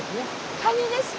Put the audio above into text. カニですか？